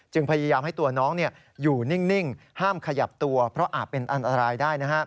พยายามให้ตัวน้องอยู่นิ่งห้ามขยับตัวเพราะอาจเป็นอันตรายได้